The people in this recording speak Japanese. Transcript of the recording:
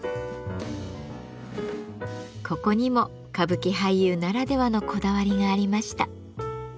ここにも歌舞伎俳優ならではのこだわりがありました。